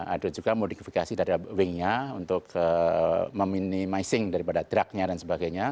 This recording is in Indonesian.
ada juga modifikasi dari wing nya untuk meminimizing daripada drugnya dan sebagainya